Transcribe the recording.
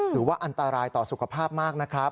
ถือว่าอันตรายต่อสุขภาพมากนะครับ